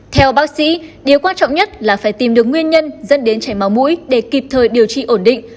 theo bác sĩ điều quan trọng nhất là phải tìm được nguyên nhân dẫn đến chảy máu mũi để kịp thời điều trị ổn định